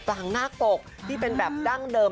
ภาพรางนาคตกที่เป็นแบบดั้งเดิม